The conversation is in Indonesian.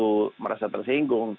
tentu merasa tersinggung